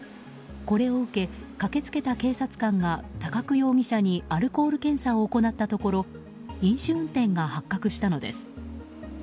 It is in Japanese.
これを受け、駆け付けた警察官が高久容疑者にアルコール検査を行ったところ飲酒運転が発覚したのです。